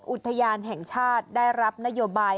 อุทยานแห่งชาติได้รับนโยบาย